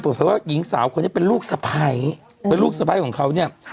บอกแผนว่าหญิงสาวคนนี้เป็นลูกสะไพรเป็นลูกสะไพรของเขานี่ค่ะ